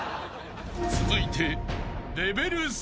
［続いて］